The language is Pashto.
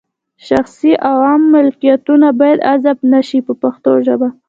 شخصي او عامه ملکیتونه باید غصب نه شي په پښتو ژبه.